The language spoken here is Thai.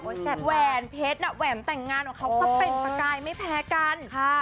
โอ้ยแสดงแหวนเพชรอ่ะแหวนแต่งงานของเขาก็เปลี่ยนประกายไม่แพ้กันค่ะ